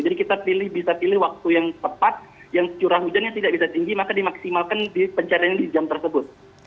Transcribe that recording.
jadi kita pilih bisa pilih waktu yang tepat yang curah hujannya tidak bisa tinggi maka dimaksimalkan pencarian di jam tersebut